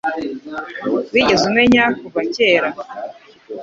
Wigeze umenya kuva kera?